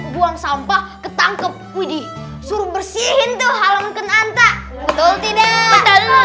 buang sampah ketangkep widih suruh bersihin tuh halaman kenanta betul tidak betul hehehe